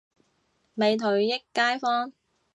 美腿益街坊